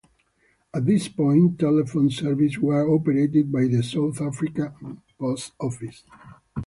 At this point, telephone services were operated by the South African Post Office.